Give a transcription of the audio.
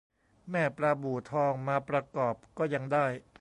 แม่ปลาบู่ทอง มาประกอบก็ยังได้